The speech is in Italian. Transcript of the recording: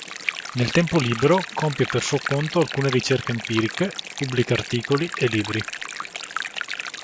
Nel tempo libero compie per suo conto alcune ricerche empiriche, pubblica articoli e libri.